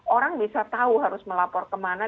orang bisa tahu harus melapor ke mana